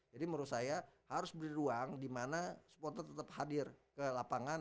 jadi menurut saya harus beri ruang dimana supporter tetap hadir ke lapangan